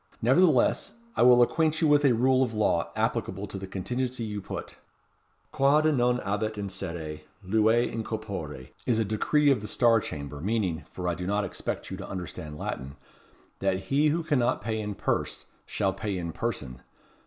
Nevertheless, I will acquaint you with a rule of law applicable to the contingency you put. 'Quod non habet in cere, luet in corpore' is a decree of the Star Chamber; meaning, for I do not expect you to understand Latin, that he who cannot pay in purse shall pay in person.